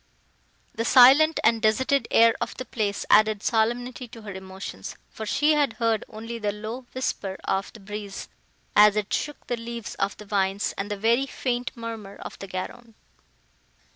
The silent and deserted air of the place added solemnity to her emotions, for she heard only the low whisper of the breeze, as it shook the leaves of the vines, and the very faint murmur of the Garonne.